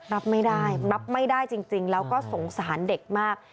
รับไม่ได้รับไม่ได้จริงแล้วก็สงสารเด็กมาก